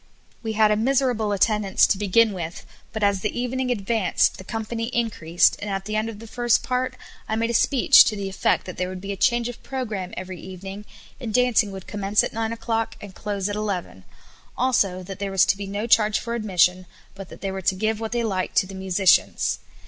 We had a miserable attendance to begin with, but as the evening advanced the company increased, and at the end of the first part I made a speech to the effect that there would be a change of programme every evening, and dancing would commence at nine o'clock and close at eleven; also that there was to be no charge for admission, but that they were to give what they liked to the "musicians.